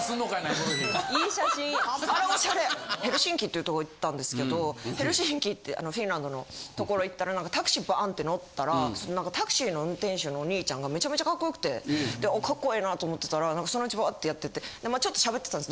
ヘルシンキっていうとこ行ったんですけどヘルシンキってあのフィンランドのところへ行ったらタクシーバーンって乗ったらその何かタクシーの運転手のお兄ちゃんがめちゃめちゃカッコ良くてカッコええなと思ってたらそのうちわぁってやっててちょっと喋ってたんです。